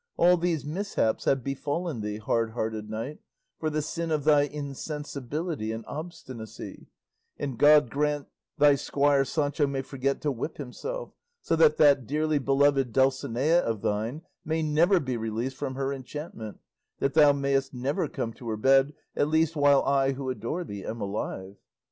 "All these mishaps have befallen thee, hardhearted knight, for the sin of thy insensibility and obstinacy; and God grant thy squire Sancho may forget to whip himself, so that that dearly beloved Dulcinea of thine may never be released from her enchantment, that thou mayest never come to her bed, at least while I who adore thee am alive."